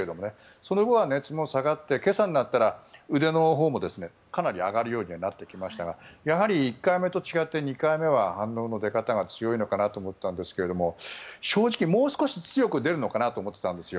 その後は熱も下がって今朝になったら腕のほうもかなり上がるようにはなってきましたがやはり１回目と違って２回目は反応の出方が強いのかなと思ったんですが正直、もう少し強く出るのかなと思っていたんですよ。